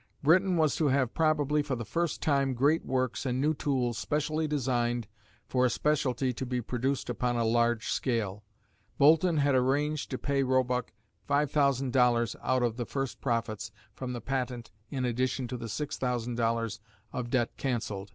Britain was to have probably for the first time great works and new tools specially designed for a specialty to be produced upon a large scale. Boulton had arranged to pay Roebuck $5,000 out of the first profits from the patent in addition to the $6,000 of debt cancelled.